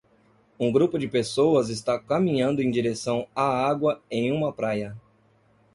Um grupo de pessoas está caminhando em direção à água em uma praia